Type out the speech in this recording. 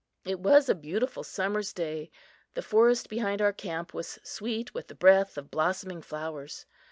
It was a beautiful summer's day. The forest behind our camp was sweet with the breath of blossoming flowers.